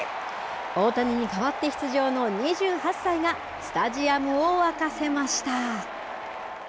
大谷に代わって出場の２８歳がスタジアムを沸かせました。